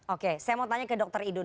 oke saya mau tanya ke dokter idun